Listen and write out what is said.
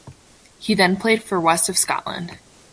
He then played for West of Scotland.